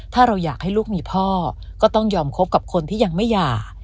ถ้าเราอยากให้ลูกมีพ่อก็ต้องยอมคบกับคนที่ยังไม่หย่า